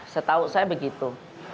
setau saya begitu